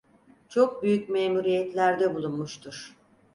Çok büyük memuriyetlerde bulunmuştur.